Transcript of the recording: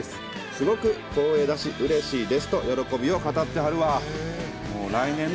すごく光栄だし、うれしいですと喜びを語ってはるわ。